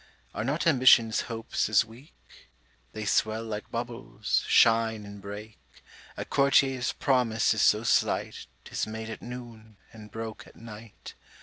Are not Ambition's hopes as weak? They swell like bubbles, shine and break. A Courtier's promise is so slight, 'Tis made at noon, and broke at night.